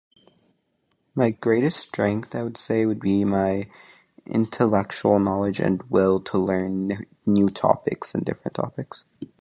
My greatest strength, I would say, would be my intellectual knowledge and will to learn na- new topics and different topics.